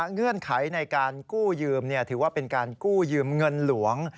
เงื่อนไขในการกู้ยืมถือว่าเป็นการกู้ยืมเงินหลวง